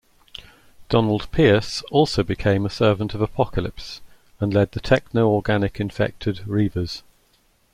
Donald Pierce also became a servant of Apocalypse, and lead the techno-organic-infected Reavers.